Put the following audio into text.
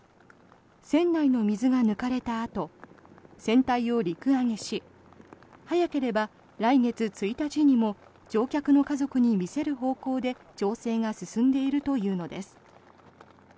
船内の水が抜かれたあと船体を陸揚げし早ければ来月１日にも乗客の家族に見せる方向で調整が進んでいるというのです。